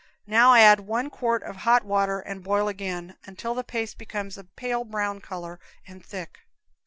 Now add one quart of hot water and, boil again, until the paste becomes a pale brown color, and thick.